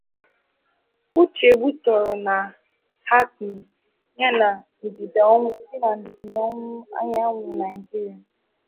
Uchegbu toro na Hackney ya na ndịda ọwụwa anyanwụ Nigeria.